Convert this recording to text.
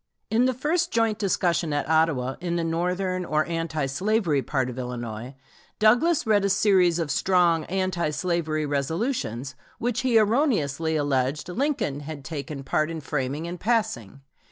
In the first joint discussion at Ottawa, in the northern or anti slavery part of Illinois, Douglas read a series of strong anti slavery resolutions which he erroneously alleged Lincoln had taken part in framing and passing.